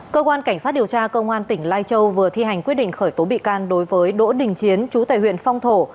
cơ quan cảnh sát điều tra công an tỉnh lai châu vừa thi hành quyết định khởi tố bị can đối với đỗ đình chiến chú tại huyện phong thổ